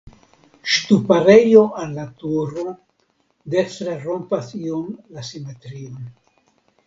Ŝtuparejo al la turo dekstre rompas iom la simetrion.